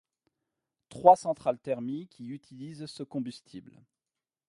Trois centrales thermiques y utilisent ce combustible.